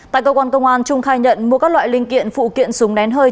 tại cơ quan công an trung khai nhận mua các loại linh kiện phụ kiện súng nén hơi